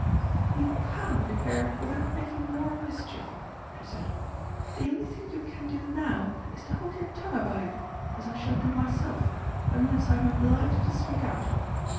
"You can't repair it without making more mischief," she said. "The only thing you can do now is to hold your tongue about it, as I shall do myself unless I am obliged to speak out.